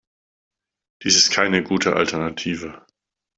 Dies ist keine gute Alternative.